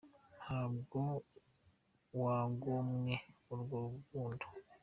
Ntabwo wangomwe urwo rukundo